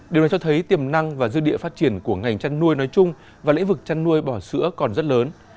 điều này cho thấy tiềm năng và dư địa phát triển của ngành chăn nuôi nói chung và lĩnh vực chăn nuôi bò sữa còn rất lớn